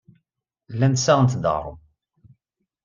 Llant ssaɣent-d aɣrum.